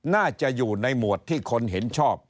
น่าจะอยู่ในหมวดที่คนเห็นชอบ